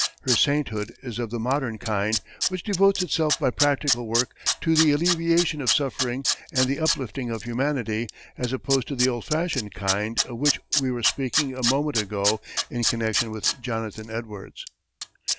Her sainthood is of the modern kind, which devotes itself by practical work to the alleviation of suffering and the uplifting of humanity, as opposed to the old fashioned kind of which we were speaking a moment ago in connection with Jonathan Edwards.